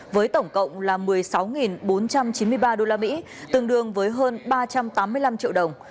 với tổng cộng là một mươi sáu bốn trăm chín mươi ba usd tương đương với hơn ba trăm tám mươi năm triệu đồng